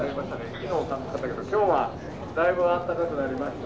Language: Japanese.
昨日寒かったけど今日はだいぶあったかくなりました。